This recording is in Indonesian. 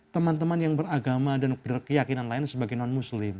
teman teman yang beragama dan berkeyakinan lain sebagai non muslim